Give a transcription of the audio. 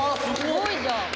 すごいじゃん。